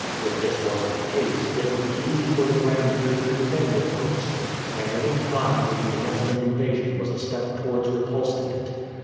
If this was the case, it would be easy for the Grand Duke to defend Irkutsk, and any time gained against an invasion was a step towards repulsing it.